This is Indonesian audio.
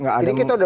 nggak ada maksudnya